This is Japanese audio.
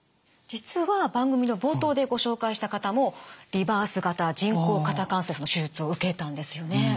実は番組の冒頭でご紹介した方もリバース型人工肩関節の手術を受けたんですよね？